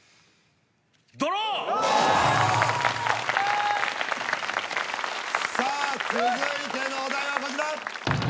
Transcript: ドロー！さあ続いてのお題はこちら。